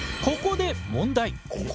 ここで問題？